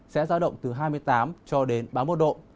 sẽ giao động từ hai mươi tám cho đến ba mươi một độ